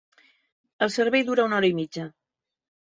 El servei dura una hora i mitja.